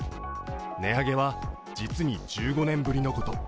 値上げは実に１５年ぶりのこと。